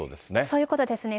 そういうことですね。